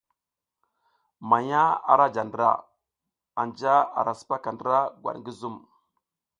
Manya ara ja ndra, anja ara sipaka ndra gwat ngi zum.